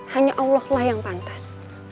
hanya allah lah yang pantas